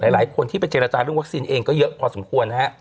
หลายคนที่ไปเจรจาเรื่องวัคซีนเองก็เยอะพอสมควรนะฮะ